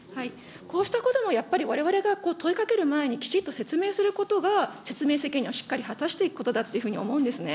こうしたこともやっぱりわれわれが問いかける前に、きちっと説明することが、説明責任をしっかり果たしていくことだっていうふうに思うんですね。